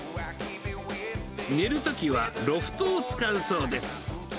寝るときは、ロフトを使うそうです。